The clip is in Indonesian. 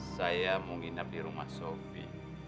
saya mau nginep di rumah sofi